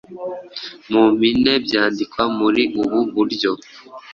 Mu mpine byandikwa muri ubu buryo: